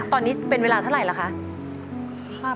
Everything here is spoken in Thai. ตอนนี้เป็นเวลาเท่าไหร่ล่ะคะ